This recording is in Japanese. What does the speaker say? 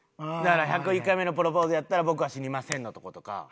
だから『１０１回目のプロポーズ』やったら「僕は死にません」のとことか。